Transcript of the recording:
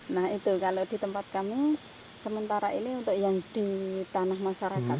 nah itu kalau di tempat kami sementara ini untuk yang di tanah masyarakat